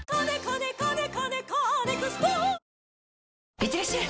いってらっしゃい！